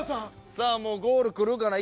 さあもうゴール来るかな？